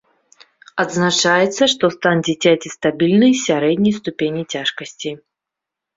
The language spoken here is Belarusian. Адзначаецца, што стан дзіцяці стабільны, сярэдняй ступені цяжкасці.